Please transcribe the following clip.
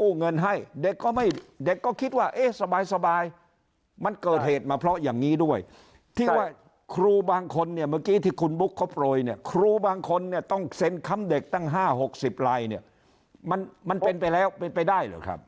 กู้เงินให้เด็กก็ไม่เด็กก็คิดว่าเอ๊ะสบายมันเกิดเหตุมาเพราะอย่างนี้ด้วยที่ว่าครูบางคนเนี่ยเมื่อกี้ที่คุณบุ๊กเขาโปรยเนี่ยครูบางคนเนี่ยต้องเซ็นค้ำเด็กตั้ง๕๖๐ลายเนี่ยมันเป็นไปแล้วเป็นไปได้เหรอครับ